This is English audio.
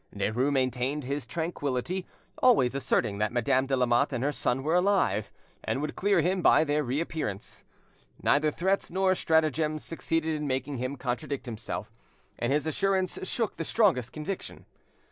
Derues maintained his tranquillity, always asserting that Madame de Lamotte and her son were alive, and would clear him by their reappearance. Neither threats nor stratagems succeeded in making him contradict himself, and his assurance shook the strongest conviction.